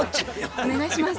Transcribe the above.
お願いします。